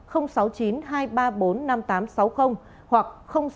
năm nghìn tám trăm sáu mươi hoặc sáu mươi chín